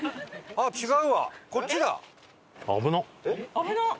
危なっ！